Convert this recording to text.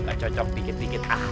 kagak cocok dikit dikit aja